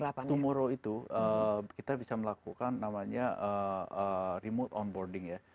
jadi dari tumoro itu kita bisa melakukan namanya remote onboarding ya